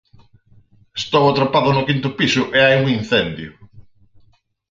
Estou atrapado no quinto piso e hai un incendio.